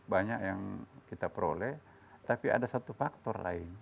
banyak yang kita peroleh tapi ada satu faktor lain